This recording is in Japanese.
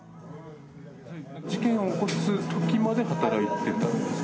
事件を起こすときまで働いてた？